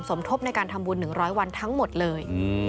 สมทบในการทำบุญ๑๐๐วันทั้งหมดเลย